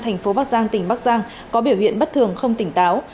thành phố bắc giang tỉnh bắc giang có biểu hiện bất thường không tỉnh táo